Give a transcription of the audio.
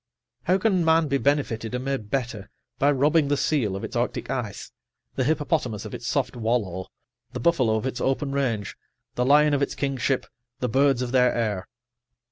How can man be benefitted and made better by robbing the seal of its arctic ice, the hippopotamus of its soft wallow, the buffalo of its open range, the lion of its kingship, the birds of their air?